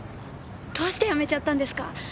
どうしてやめちゃったんですか？